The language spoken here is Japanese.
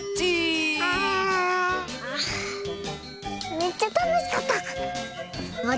めっちゃたのしかった！